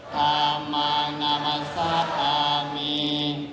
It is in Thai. ธามมากนามสัตว์ธามี